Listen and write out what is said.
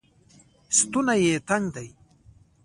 ستونی یې تنګ دی